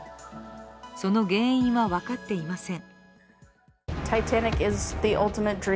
その原因は分かっていません。